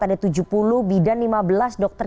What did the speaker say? ada tujuh puluh bidan lima belas dokter